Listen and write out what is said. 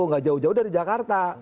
nggak jauh jauh dari jakarta